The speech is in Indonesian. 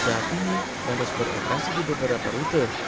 saat ini tembus beroperasi di beberapa rute